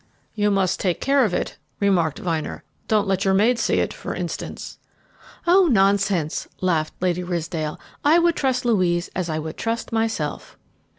"You must take care of it," remarked Vyner; "don't let your maid see it, for instance." "Oh, nonsense!" laughed Lady Ridsdale. "I would trust Louise as I would trust myself."